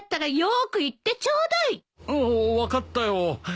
おお分かったよ。